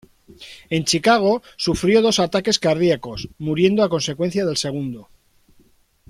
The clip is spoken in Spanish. En Chicago, sufrió dos ataques cardíacos, muriendo a consecuencia del segundo.